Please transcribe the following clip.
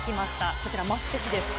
こちら、升席です。